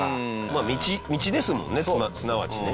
まあ道道ですもんねすなわちね。